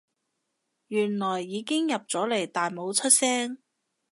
原來已經入咗嚟但冇出聲